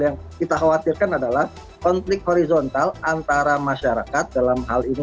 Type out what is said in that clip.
yang kita khawatirkan adalah konflik horizontal antara masyarakat dalam hal ini